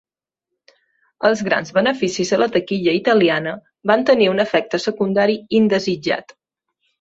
Els grans beneficis a la taquilla italiana van tenir un efecte secundari indesitjat.